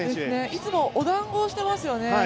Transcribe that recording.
いつもおだんごにしてますよね。